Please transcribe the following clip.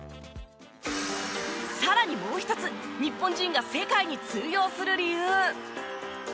さらにもう一つ日本人が世界に通用する理由。